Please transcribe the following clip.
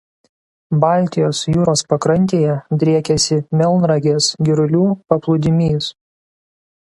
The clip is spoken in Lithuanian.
Baltijos jūros pakrantėje driekiasi Melnragės–Girulių paplūdimys.